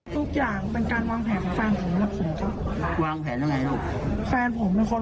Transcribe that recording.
ทุกอย่างเป็นการวางแผนของแฟนผมและผม